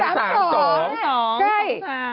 ใช่อื้อ๓๓